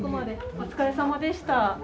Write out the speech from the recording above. お疲れさまでした。